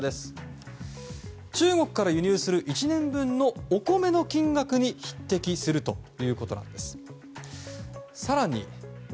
中国から輸入する１年分のお米の金額に匹敵するということです。